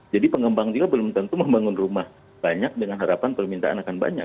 jadi pengembang juga belum tentu membangun rumah banyak dengan harapan permintaan akan banyak